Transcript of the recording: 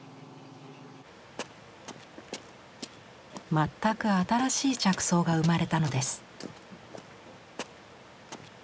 全く新しい着想が生まれたのです。